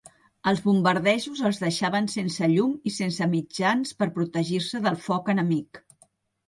Els bombardejos els deixaven sense llum i sense mitjans per protegir-se del foc enemic.